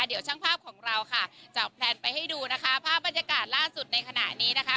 เดี๋ยวช่างภาพของเราค่ะจะแพลนไปให้ดูนะคะภาพบรรยากาศล่าสุดในขณะนี้นะคะ